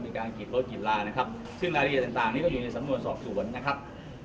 ถ้าเกิดไม่จ่ายที่ถึงขนาดกี่รถไม่ให้เปิดจริงหรือเปล่าครับ